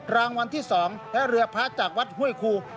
รางวัลที่๒และเรือพระจากวัดห้วยครู